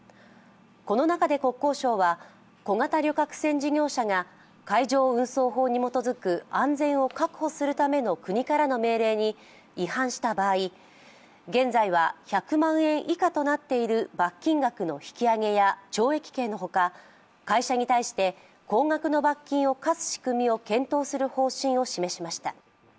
この中で国交省は小型旅客船事業者が海上運送法に基づく安全を確保するための国からの命令に違反した場合、現在は１００万円以下となっている罰金額の引き上げや懲役刑のほか会社に対して、高額の罰金を科す仕組みを検討する方針を示しました。